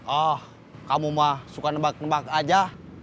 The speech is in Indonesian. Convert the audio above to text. oh kamu mah suka nebak nebak aja